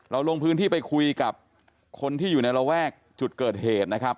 ลงพื้นที่ไปคุยกับคนที่อยู่ในระแวกจุดเกิดเหตุนะครับ